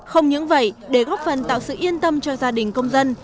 không những vậy để góp phần tạo sự yên tâm cho gia đình công dân